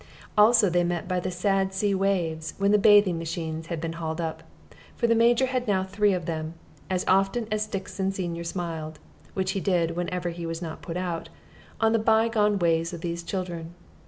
Also they met by the sad sea waves, when the bathing machines had been hauled up for the Major now had three of them as often as Stixon senior smiled which he did whenever he was not put out on the bygone ways of these children.